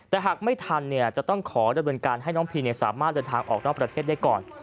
แต่หากไม่ทันจะต้องขอดำเนินการให้น้องพีสามารถเดินทางออกนอกประเทศได้ก่อน